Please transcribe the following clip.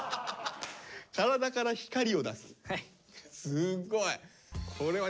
すっごい。